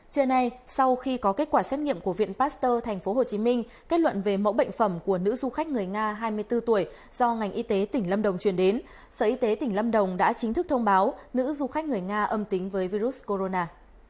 trưa nay sau khi có kết quả xét nghiệm của viện pasteur tp hcm kết luận về mẫu bệnh phẩm của nữ du khách người nga hai mươi bốn tuổi do ngành y tế tỉnh lâm đồng truyền đến sở y tế tỉnh lâm đồng đã chính thức thông báo nữ du khách người nga âm tính với virus corona